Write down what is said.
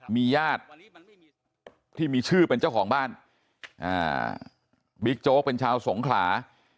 มีญาติที่มีชื่อเป็นเจ้าของบ้านบิ๊กโจ๊กเป็นชาวสงขลา